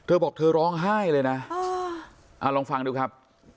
เธอบอกเธอร้องไห้เลยนะลองฟังดูครับ